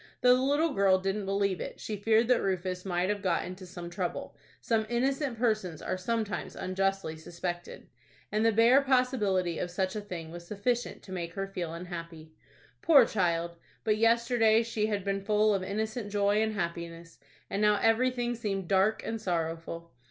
Though the little girl didn't believe it, she feared that Rufus might have got into some trouble,—some innocent persons are sometimes unjustly suspected,—and the bare possibility of such a thing was sufficient to make her feel unhappy. Poor child! But yesterday she had been full of innocent joy and happiness, and now everything seemed dark and sorrowful.